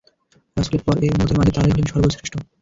রাসূলের পর এ উম্মতের মাঝে তাঁরাই হলেন সর্বশ্রেষ্ঠ।